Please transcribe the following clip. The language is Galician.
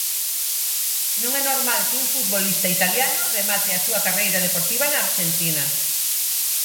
Non é normal que un futbolista italiano remate a súa carreira deportiva na Arxentina.